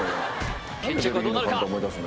決着はどうなるか？